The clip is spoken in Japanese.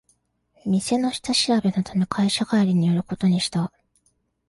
店の下調べのため会社帰りに寄ることにした